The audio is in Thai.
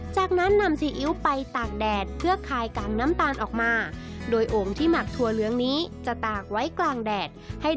จากนั้นนำซีอิ๊วไปตากแดดเพื่อคายกลางน้ำตาลออกมาโดยโอ่งที่หมักถั่วเหลืองนี้จะตากไว้กลางแดด